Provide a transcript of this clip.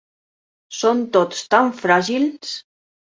Són tots tan fràgils!